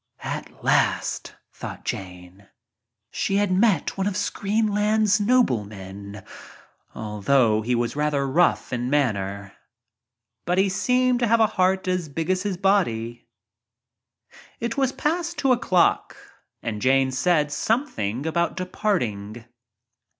At last, thought Jane, she had met one of screen land's noblemen, although he was rather rough in manner. But he seemed to have a heart as big as his body. It was past two o'clock and Jane said something about departing.